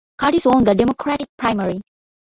Curtis won the Democratic primary.